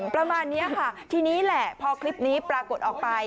ประมาณนี้ค่ะทีนี้แหละพอคลิปนี้ปรากฏออกไป